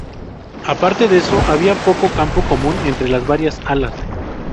Aparte de eso había poco campo común entre las varias alas.